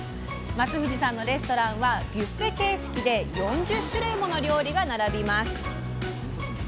松藤さんのレストランはビュッフェ形式で４０種類もの料理が並びます。